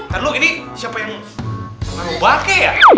ntar lo ini siapa yang mau pake ya